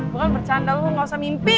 gue kan bercanda lu gak usah mimpi